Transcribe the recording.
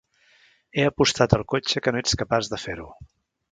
He apostat el cotxe que no ets capaç de fer-ho.